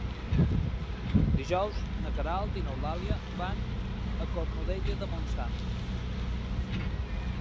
Dijous na Queralt i n'Eulàlia van a Cornudella de Montsant.